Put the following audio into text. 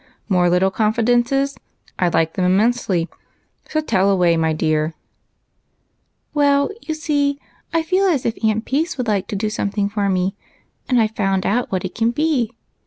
"More little confidences? I like them immensely, so tell away, my dear." " Well, you see I feel as if Aunt Peace would like 188 EIGHT COUSINS. to do something for me, and I 've found out what it can be.